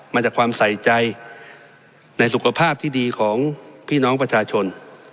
มาจากความใส่ใจในสุขภาพที่ดีของพี่น้องประชาชน